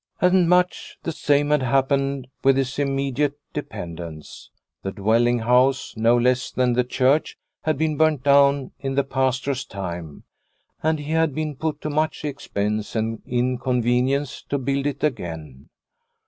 And much the same had happened with his immediate dependents. The dwelling house, no less than the church, had been burnt down in the Pastor's time, and he had been put to much expense and inconvenience to build it again.